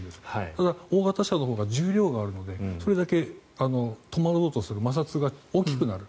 ただ、大型車のほうが重量があるのでそれだけ止まろうとする摩擦が大きくなる。